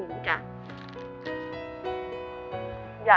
ไม่ต้องเจอ